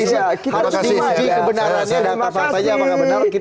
ini bagian dari pendidikan publik karena narasi narasi para politik